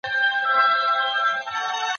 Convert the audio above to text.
دوی د خپل هېواد د سرلوړۍ لپاره مبارزه کوله.